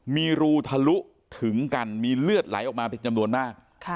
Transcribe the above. มีรูทะลุถึงกันมีเลือดไหลออกมาเป็นจำนวนมาก